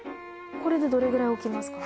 これでどれぐらい置きますか？